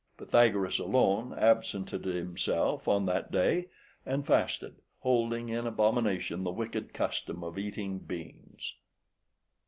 Pythagoras alone absented himself on that day, and fasted, holding in abomination the wicked custom of eating beans.